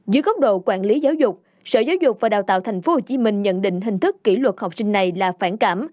dưới góc độ quản lý giáo dục sở giáo dục và đào tạo tp hcm nhận định hình thức kỷ luật học sinh này là phản cảm